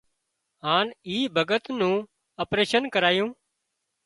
هانَ اِي ڀڳت نُون اپريشين ڪرايون